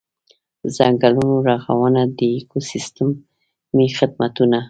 ځنګلونو رغونه د ایکوسیستمي خدمتونو.